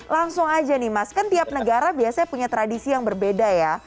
langsung aja nih mas kan tiap negara biasanya punya tradisi yang berbeda ya